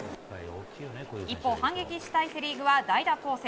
一方、反撃したいセ・リーグは代打攻勢。